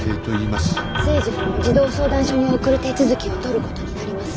征二君を児童相談所に送る手続きをとることになります。